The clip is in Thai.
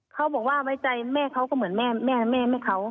เขาบอกว่าไว้ใจแม่เขาก็เหมือนแม่แม่เขา